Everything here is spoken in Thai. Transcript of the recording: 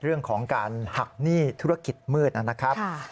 เรื่องของการหักหนี้ธุรกิจมืดนะครับ